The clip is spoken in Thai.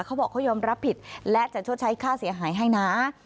เขาบอกเขายอมรับผิดและจะชดใช้ค่าเสียหายให้นะ